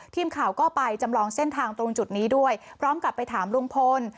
ทีมข่าวก็ไปจำลองเส้นทางตรงจุดนี้ด้วยพร้อมกับไปถามลุงพล